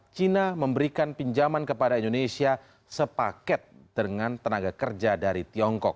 china memberikan pinjaman kepada indonesia sepaket dengan tenaga kerja dari tiongkok